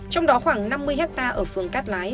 trong đó khoảng năm mươi hectare ở phường cát lái